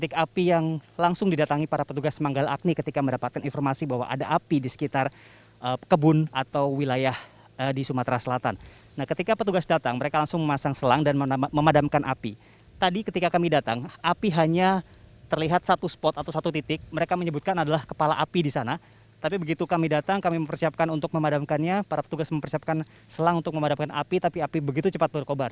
kami mempersiapkan untuk memadamkannya para petugas mempersiapkan selang untuk memadamkan api tapi api begitu cepat berkobar